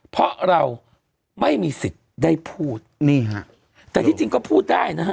เพราะเราไม่มีสิทธิ์ได้พูดนี่ฮะแต่ที่จริงก็พูดได้นะฮะ